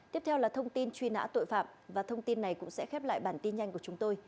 tiếp theo là thông tin truy nã tội phạm và thông tin này cũng sẽ khép lại bản tin nhanh của chúng tôi